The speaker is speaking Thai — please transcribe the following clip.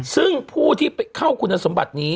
ซึ่งผู้ที่เข้าคุณสมบัตินี้